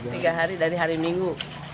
tiga hari dari hari minggu